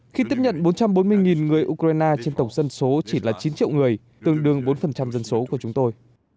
khi tiếp nhận bốn trăm bốn mươi người ukraine trên tổng dân số chỉ là chín triệu người tương đương bốn dân số của chúng tôi